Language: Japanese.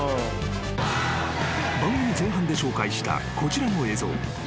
［番組前半で紹介したこちらの映像］